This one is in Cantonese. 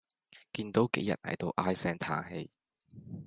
見到杞人喺度唉聲嘆氣